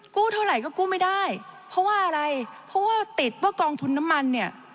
เท่าไหร่ก็กู้ไม่ได้เพราะว่าอะไรเพราะว่าติดว่ากองทุนน้ำมันเนี่ย